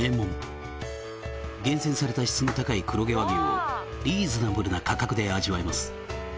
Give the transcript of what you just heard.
「厳選された質の高い黒毛和牛をリーズナブルな価格で味わえます」